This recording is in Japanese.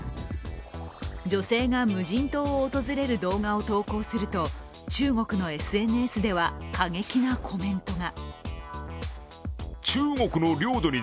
女性が無人島を訪れる動画を投稿すると、中国のＳＮＳでは、過激なコメントが。